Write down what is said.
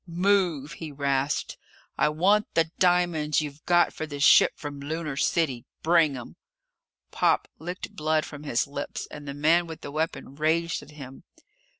"Move!" he rasped. "I want the diamonds you've got for the ship from Lunar City! Bring 'em!" Pop licked blood from his lips and the man with the weapon raged at him.